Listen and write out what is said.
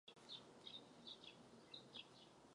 Duchovní jsou voleni věřícími.